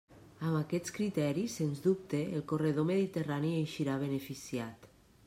Amb aquests criteris, sens dubte, el corredor mediterrani eixirà beneficiat.